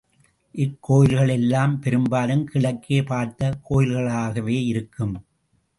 இக்கோயில்கள் எல்லாம் பெரும்பாலும் கிழக்கே பார்த்த கோயில்களாகவே இருக்கும்.